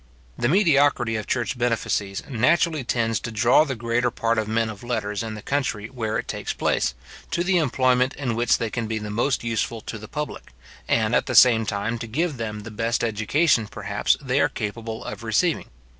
The mediocrity of church benefices naturally tends to draw the greater part of men of letters in the country where it takes place, to the employment in which they can be the most useful to the public, and at the same time to give them the best education, perhaps, they are capable of receiving.